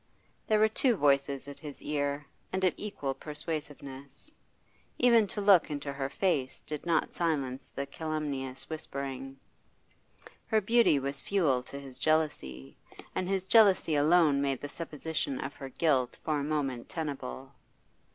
There were two voices at his ear, and of equal persuasiveness. Even to look into her face did not silence the calumnious whispering. Her beauty was fuel to his jealousy, and his jealousy alone made the supposition of her guilt for a moment tenable.